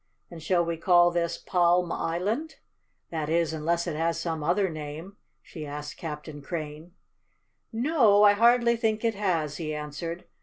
"And shall we call this Palm Island? That is, unless it has some other name?" she asked Captain Crane. "No, I hardly think it has," he answered.